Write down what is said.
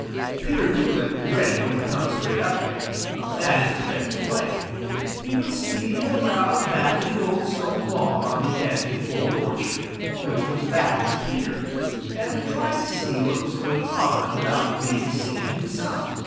Peter knew that Reddy wouldn't come straight up there. That isn't Reddy's way. He would steal around back of the old stone wall on the edge of the Old Orchard, which was back of Peter, and would try to see what was going on without being seen himself.